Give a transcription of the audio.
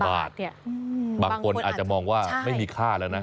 บาทบางคนอาจจะมองว่าไม่มีค่าแล้วนะ